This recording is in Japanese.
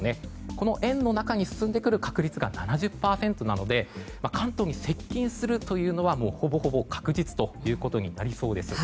この円の中に進んでくる確率が７０％なので関東に接近するというのはほぼほぼ確実となりそうです。